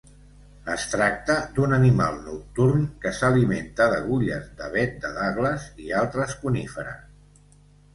Es tracta d'un animal nocturn que s'alimenta d'agulles d'avet de Douglas i altres coníferes.